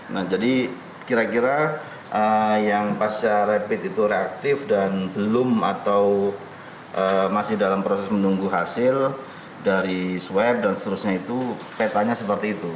nah jadi kira kira yang pasca rapid itu reaktif dan belum atau masih dalam proses menunggu hasil dari swab dan seterusnya itu petanya seperti itu